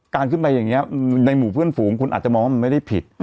การขึ้นไปอย่างนี้ในหมู่เพื่อนฝูงคุณอาจจะมองว่ามันไม่ได้ผิด